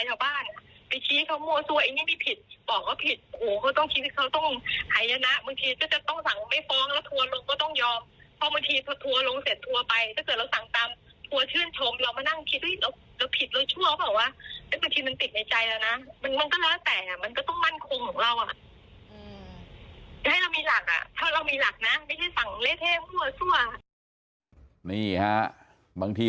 เรามีหลักน่ะไม่พี่สั่งเล่น